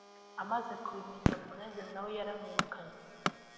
amaze kubimenya(Blaise) na we yaramwirukanye